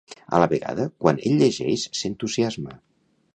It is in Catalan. A la vegada quan el llegeix s'entusiasma.